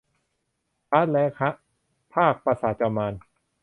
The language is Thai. พาร์ทแรกฮะ ภาคปราสาทจอมมาร